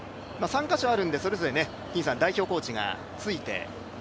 ３カ所あるのでそれぞれ代表コーチがついて。